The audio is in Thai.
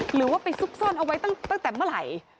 หรือว่าไปซุกซ่อนเอาไว้ตั้งแต่เมื่อไหร่